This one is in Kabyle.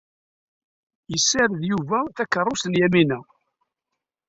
Yessared Yuba takeṛṛust n Yamina.